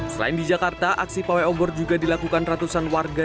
selain di jakarta aksi pawai obor juga dilakukan ratusan warga